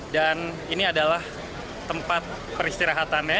dan ini adalah tempat peristirahatan